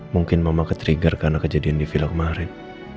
mungkin mama ketrigger karena kejadian di villa kemarin